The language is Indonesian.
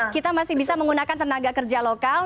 kita masih bisa menggunakan tenaga kerja lokal